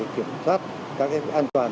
kiểm soát các cái an toàn